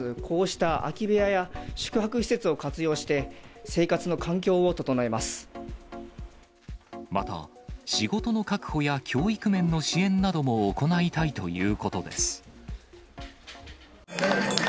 こうした空き部屋や、宿泊施設を活用して、また、仕事の確保や、教育面の支援なども行いたいということです。